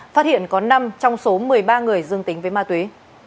phát hiện có năm trong số một mươi ba người dương tính với ma túy